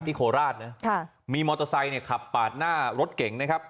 ที่โขราชมีมอเตอร์ไซค์ขับปากหน้ารถเก่งนะครับ